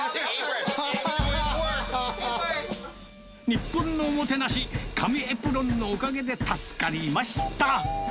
日本のおもてなし、紙エプロンのおかげで助かりました。